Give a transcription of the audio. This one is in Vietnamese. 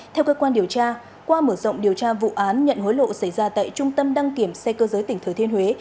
theo cơ quan điều tra qua mở rộng điều tra vụ án nhận hối lộ xảy ra tại trung tâm đăng kiểm xe cơ giới tỉnh thừa thiên huế